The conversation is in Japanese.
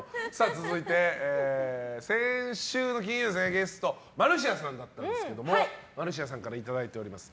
続いて、先週の金曜日のゲストがマルシアさんだったんですがマルシアさんからいただいております。